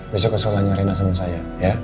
besok ke sekolahnya rena sama saya ya